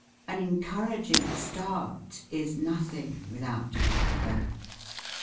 An encouraging start is nothing without backbone.